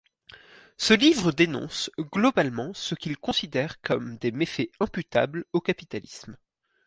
Ce livre dénonce, globalement, ce qu'il considère comme des méfaits imputables au capitalisme.